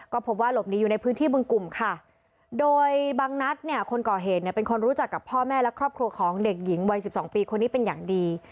ก็พบว่าหลบหนีอยู่ในพื้นที่บึงกลุ่มค่ะโดยบางนัดเนี่ยคนก่อเหตุเนี่ยเป็นคนรู้จักกับพ่อแม่และครอบครัวของเด็กหญิงวัย๑๒ปีคนนี้เป็นอย่างดี